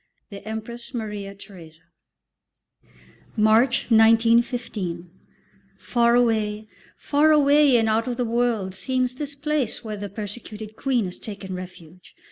THE EMPRESS MARIA THERESA. March, 1915. Far away, far away and out of the world seems this place where the persecuted Queen has taken refuge.